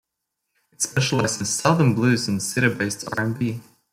It specialized in Southern blues and city based R and B.